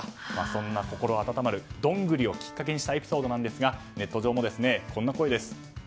そんな心温まるどんぐりをきっかけにしたエピソードなんですがネット上もこんな声です。